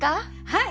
はい！